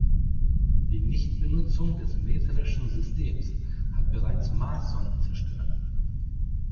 Die Nichtbenutzung des metrischen Systems hat bereits Marssonden zerstört.